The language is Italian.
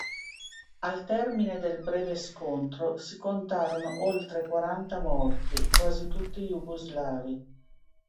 Al termine del breve scontro, si contarono oltre quaranta morti, quasi tutti jugoslavi.